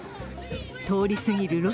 通り過ぎる